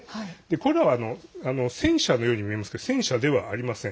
これらは戦車のように見えますけど戦車ではありません。